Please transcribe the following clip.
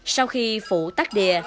sau khi phụ tác địa